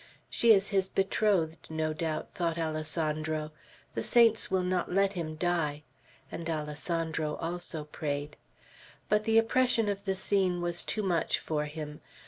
"She is his betrothed, no doubt," thought Alessandro. "The saints will not let him die;" and Alessandro also prayed. But the oppression of the scene was too much for him.